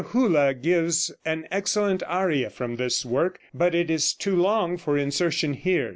Hullah gives an excellent aria from this work, but it is too long for insertion here.